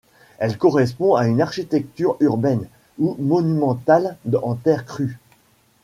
Elle correspond à une architecture urbaine ou monumentale en terre crue.